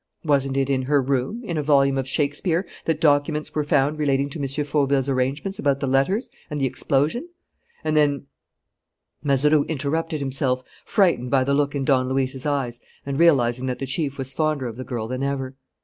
"Wasn't it in her room, in a volume of Shakespeare, that documents were found relating to M. Fauville's arrangements about the letters and the explosion? And then " Mazeroux interrupted himself, frightened by the look in Don Luis's eyes and realizing that the chief was fonder of the girl then ever.